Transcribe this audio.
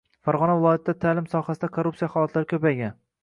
Farg‘ona viloyatida ta’lim sohasida korrupsiya holatlari ko‘paygan